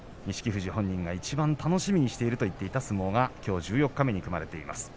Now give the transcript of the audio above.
富士は本人がいちばん楽しみにしているといった相撲がきょう十四日目に組まれています。